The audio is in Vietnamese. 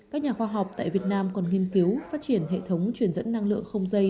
các nhà khoa học tại việt nam còn nghiên cứu phát triển hệ thống truyền dẫn năng lượng không dây